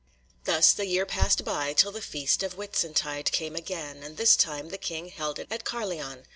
Thus the year passed by till the feast of Whitsuntide came again, and this time the king held it at Carlion.